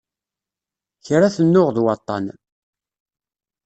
Kra tennuɣ d waṭṭan.